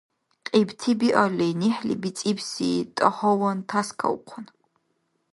КьибтӀи биалли, нехӀли бицӀибси тӀагьаван тяскавхъун.